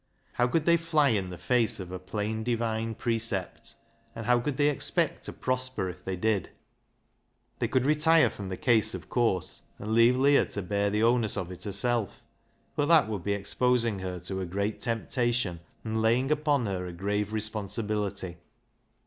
How could they fly in the face of a plain Divine precept, and how could they expect to prosper if they did ? They could retire from the case, of course, and leave Leah to bear the onus of it herself, but that would be exposing her to a great temptation, and laying upon her a grave responsibility.